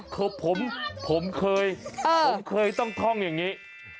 คือผมเคยผมเคยต้องท่องอย่างนี้